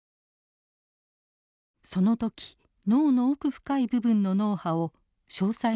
その時脳の奥深い部分の脳波を詳細に調べたのです。